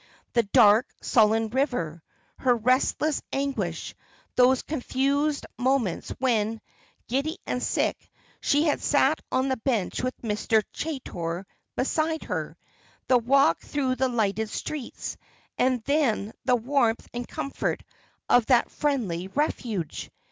The dark, sullen river; her restless anguish; those confused moments when, giddy and sick, she had sat on the bench with Mr. Chaytor beside her; the walk through the lighted streets; and then the warmth and comfort of that friendly refuge.